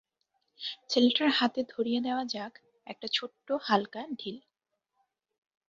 ছেলেটার হাতে ধরিয়ে দেওয়া যাক একটা ছোট্ট হালকা ঢিল।